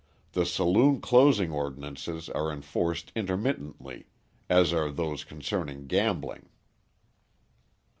The saloon closing ordinances are enforced intermittently, as are those concerning gambling.